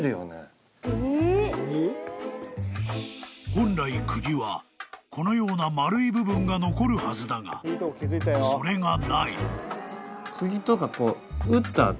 ［本来釘はこのような円い部分が残るはずだがそれがない］